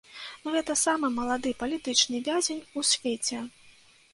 Гэта самы малады палітычны вязень у свеце.